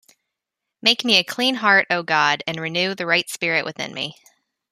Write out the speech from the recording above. Make me a clean heart, O God: and renew a right spirit within me.